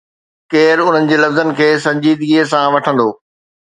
ڪير انهن جي لفظن کي سنجيدگي سان وٺندو؟